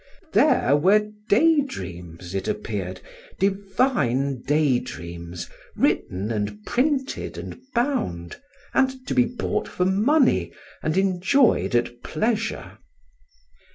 There were day dreams, it appeared, divine day dreams, written and printed and bound, and to be bought for money and enjoyed at pleasure.